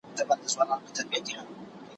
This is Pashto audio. د خاوند یې نفس تنګ په واویلا وو